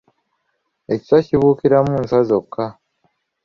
Ekiswa kibuukiramu nswa zokka.